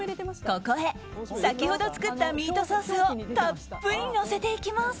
ここへ先ほど作ったミートソースをたっぷりのせていきます。